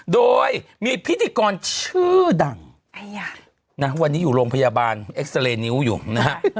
โดยมีพิธีกรชื่อดังวันนี้อยู่โรงพยาบาลเอ็กซาเรย์นิ้วอยู่นะฮะ